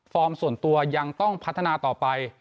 ส่วนตัวยังต้องพัฒนาต่อไป